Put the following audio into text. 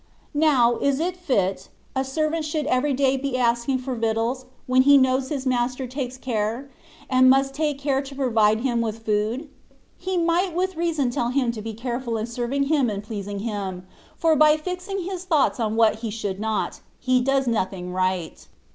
Now, is it fit, a servant should every day be asking for victuals, when he knows His master takes care, and must take care to provide him with food? He might with reason tell him to be careful in serving him and pleasing him, for by fixing his thoughts on what he should not, he does nothing right.